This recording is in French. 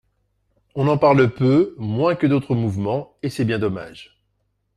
On en parle peu, moins que d’autres mouvements, et c’est bien dommage.